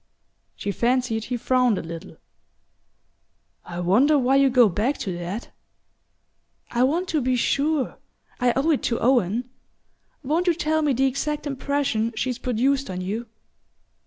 She fancied he frowned a little. "I wonder why you go back to that?" "I want to be sure I owe it to Owen. Won't you tell me the exact impression she's produced on you?"